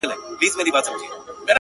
بې وسي~